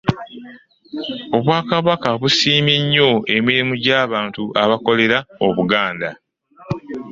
Obwakabaka busimye nnyo emirimu gy'abantu abakolera obuganda.